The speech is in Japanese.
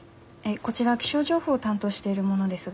こちら気象情報を担当している者ですが。